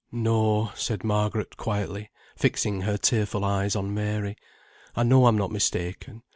"No," said Margaret, quietly fixing her tearful eyes on Mary; "I know I'm not mistaken.